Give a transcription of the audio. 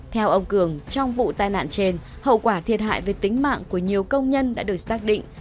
theo ông cường trong vụ tai nạn trên hậu quả thiệt hại về tính mạng của nhiều công nhân đã được xác định